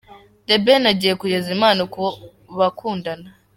The Ben agiye kugeza impano ku bakundana.